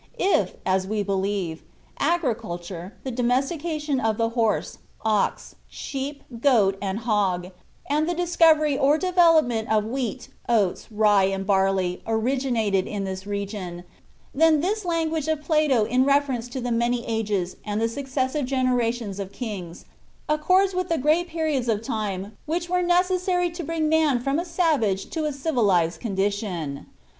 If, as we believe, agriculture, the domestication of the horse, ox, sheep, goat, and hog, and the discovery or development of wheat, oats, rye, and barley originated in this region, then this language of Plato in reference to "the many ages, and the successive generations of kings," accords with the great periods of time which were necessary to bring man from a savage to a civilized condition.